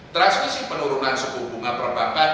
transmisi penurunan suku bunga perbankan